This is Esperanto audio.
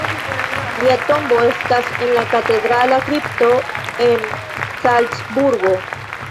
Lia tombo estas en la katedrala kripto en Salcburgo.